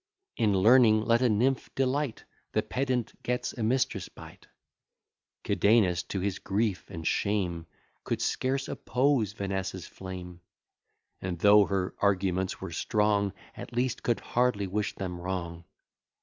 In learning let a nymph delight, The pedant gets a mistress by't. Cadenus, to his grief and shame, Could scarce oppose Vanessa's flame; And, though her arguments were strong, At least could hardly wish them wrong.